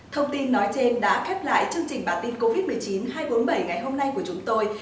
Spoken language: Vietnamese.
thông tin nói trên đã khép lại chương trình bản tin covid một mươi chín hai trăm bốn mươi bảy ngày hôm nay của chúng tôi